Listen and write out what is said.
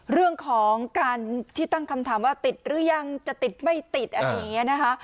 เรื่องของการที่ตั้งคำถามว่าติดหรือยังจะติดไม่ติดอะไรอย่างนี้นะคะ